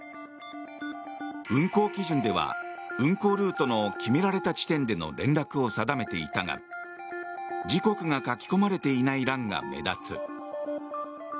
運航基準では運航ルートの決められた地点での連絡を定めていたが時刻が書き込まれていない欄が目立つ。